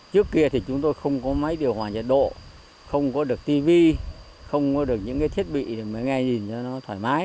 trước kia thì chúng tôi không có máy điều hòa nhiệt độ không có được tv không có được những thiết bị để mới nghe nhìn cho nó thoải mái